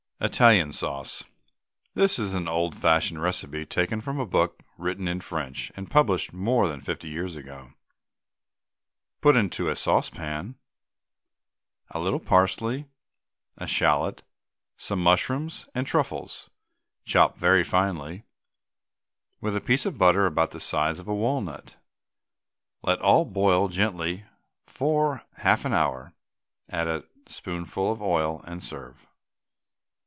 ITALIAN SAUCE. This is an old fashioned recipe taken from a book written in French, and published more than fifty years ago. Put into a saucepan a little parsley, a shallot, some mushrooms and truffles, chopped very finely, with a piece of butter about the size of a walnut. Let all boil gently for half an hour, add a spoonful of oil, and serve.